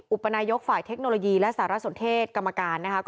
อุปนายกฝ่ายเทคโนโลยีและสารสนเทศกรรมการนะคะ